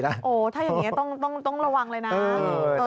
โอ้โหถ้าอย่างนี้ต้องระวังเลยนะ